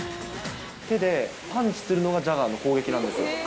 手でパンチするのがジャガーの攻撃なんですよ。